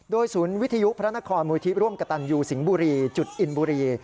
โดยศูนย์วิทยุพระนครมูลที่ร่วมกระตันยูสิงห์บุรีจุดอินบุรี